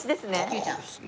Ｑちゃん。